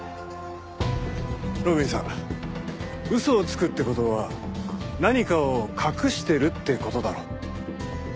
路敏さ嘘をつくって事は何かを隠してるって事だろ。